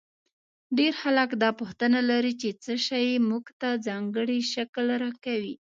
ډېر خلک دا پوښتنه لري چې څه شی موږ ته ځانګړی شکل راکوي.